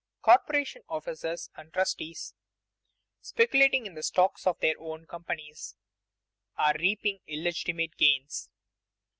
_Corporation officers and trustees, speculating in the stocks of their own companies, are reaping illegitimate gains.